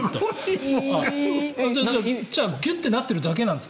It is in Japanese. じゃあギュッてなってるだけなんですか？